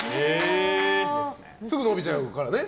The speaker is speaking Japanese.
すぐに伸びちゃうからね。